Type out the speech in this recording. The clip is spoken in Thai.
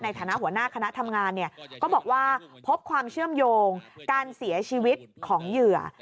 หัวหน้าคณะทำงานเนี่ยก็บอกว่าพบความเชื่อมโยงการเสียชีวิตของเหยื่อ